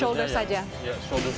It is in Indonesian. shoulder nya yang putar